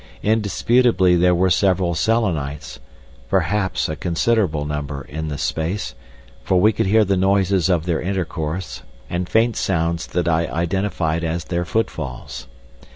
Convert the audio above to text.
Indisputably there were several Selenites, perhaps a considerable number, in this space, for we could hear the noises of their intercourse, and faint sounds that I identified as their footfalls.